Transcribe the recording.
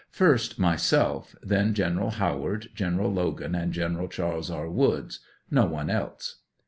First, myself; then General Howard, General Logan, and General Chas. E. Woods; no one else.